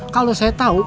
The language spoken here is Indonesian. kalau saya tahu